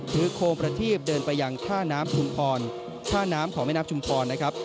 โคมประทีบเดินไปยังท่าน้ำชุมพรท่าน้ำของแม่น้ำชุมพรนะครับ